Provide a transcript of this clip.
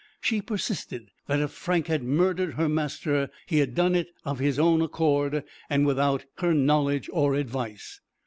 She persisted, that if Frank had murdered her master, he had done it of his own accord, and without her knowledge or advice.